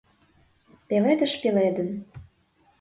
Пеледыш пеледын.